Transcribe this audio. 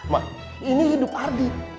ma ini hidup ardi